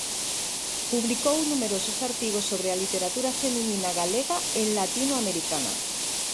Publicou numerosos artigos sobre a literatura feminina galega e latinoamericana.